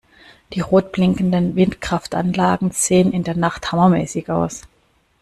Die rot blinkenden Windkraftanlagen sehen in der Nacht hammermäßig aus!